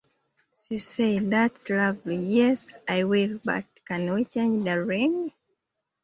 She said: 'That's lovely, yes, I will - but can we change the ring?